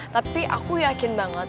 tapi aku yakin banget